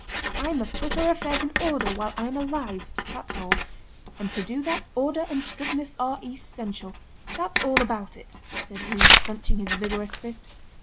I must put our affairs in order while I am alive, that's all. And to do that, order and strictness are essential.... That's all about it!" said he, clenching his vigorous fist.